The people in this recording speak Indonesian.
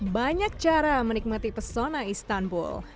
banyak cara menikmati pesona istanbul